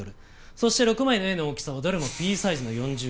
そして６枚の絵の大きさはどれもＰサイズの４０号。